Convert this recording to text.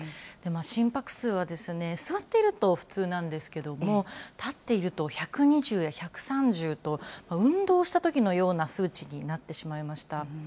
心拍数は、座っていると普通なんですけれども、立っていると１２０や１３０と、運動したときのような数値になってしまいました。